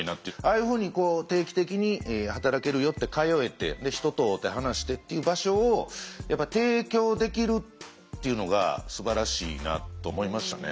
ああいうふうに定期的に働けるよって通えて人と会うて話してっていう場所をやっぱ提供できるっていうのがすばらしいなと思いましたね。